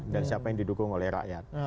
dan siapa yang didukung oleh rakyat